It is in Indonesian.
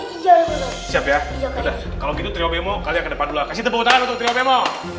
iya siap ya kalau gitu trio bemo kalian ke depan dulu lah kasih tepung tangan untuk trio bemo